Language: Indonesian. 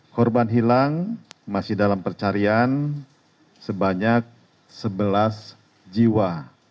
korban hilang masih dalam pencarian sebanyak sebelas jiwa